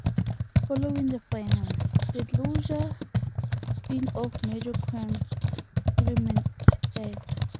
Following the finale, "The Closer"s spin-off "Major Crimes" premiered.